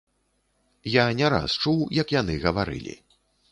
Я не раз чуў, як яны гаварылі.